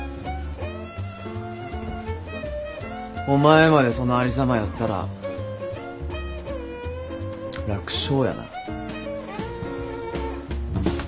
お前までそのありさまやったら楽勝やな。